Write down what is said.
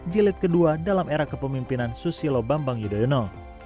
jilid kedua dalam era kepemimpinan susilo bambang yudhoyono